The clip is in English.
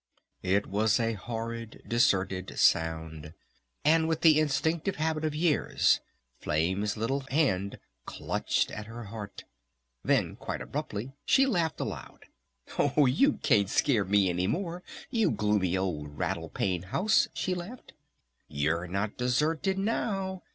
It was a horrid, deserted sound. And with the instinctive habit of years Flame's little hand clutched at her heart. Then quite abruptly she laughed aloud. "Oh you can't scare me any more, you gloomy old Rattle Pane House!" she laughed. "You're not deserted now!